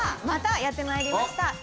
またやってまいりました。